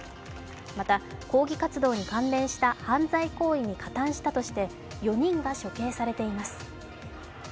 また抗議活動に関連した犯罪行為に加担したとして４人が処刑されています。